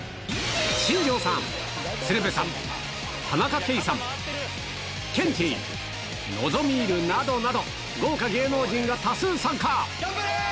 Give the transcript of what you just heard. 新庄さん、鶴瓶さん、田中圭さん、ケンティー、ノゾミールなどなど、豪華芸能人が多数参加。